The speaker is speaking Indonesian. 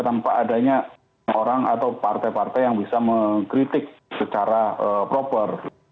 tanpa adanya orang atau partai partai yang bisa mengkritik secara proper